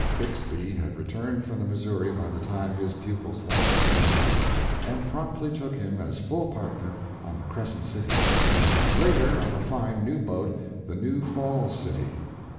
Bixby had returned from the Missouri by the time his pupil's license was issued, and promptly took him as full partner on the "Crescent City," and later on a fine new boat, the "New Falls City."